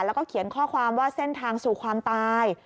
แล้วก็เขียนข้อความว่าเส้นทางสู่ความตาย